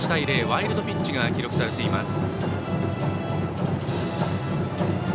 ワイルドピッチが記録されています。